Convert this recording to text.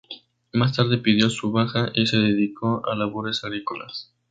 Más tarde pidió su baja y se dedicó a labores agrícolas.